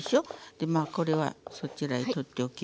でまあこれはそちらへ取っておきましょうか。